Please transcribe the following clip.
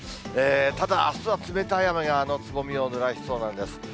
ただ、あすは冷たい雨がつぼみをぬらしそうなんです。